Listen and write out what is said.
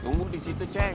tunggu disitu ceng